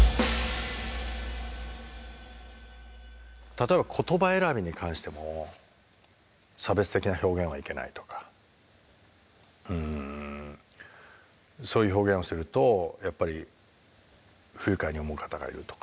例えば言葉選びに関しても差別的な表現はいけないとかうんそういう表現をするとやっぱり不愉快に思う方がいるとか。